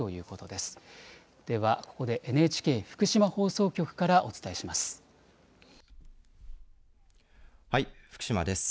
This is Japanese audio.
ではここでＮＨＫ福島放送局からお伝えします。